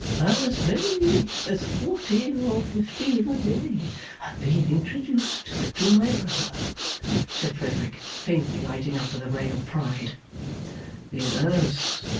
'As many as forty or fifty in a day have been introduced to my brother,' said Frederick, faintly lighting up with a ray of pride. 'Yes!